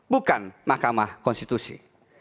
bukan mahkamah konstitusi